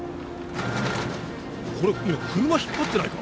これ車引っ張ってないか？